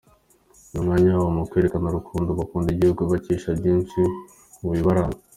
Ni umwanya wabo wo kwerekana urukundo bakunda igihugu bakesha byinshi mu bibaranga.